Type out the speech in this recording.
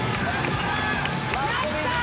やったー！